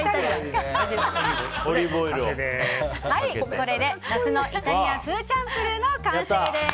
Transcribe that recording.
これで夏のイタリアンフーチャンプルーの完成です。